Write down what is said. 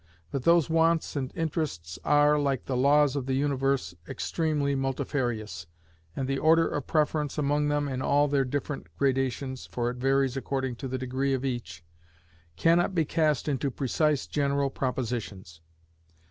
But those wants and interests are, like the laws of the universe, extremely multifarious, and the order of preference among them in all their different gradations (for it varies according to the degree of each) cannot be cast into precise general propositions.